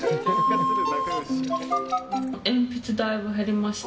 鉛筆、だいぶ減りました。